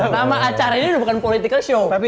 sama acara ini bukan politika show